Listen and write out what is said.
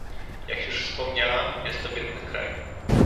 Jak już wspomniałam, jest to biedny kraj